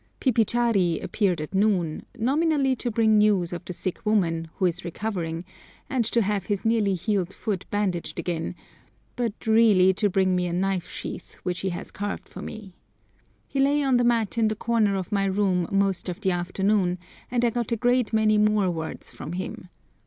Pipichari appeared at noon, nominally to bring news of the sick woman, who is recovering, and to have his nearly healed foot bandaged again, but really to bring me a knife sheath which he has carved for me. He lay on the mat in the corner of my room most of the afternoon, and I got a great many more words from him.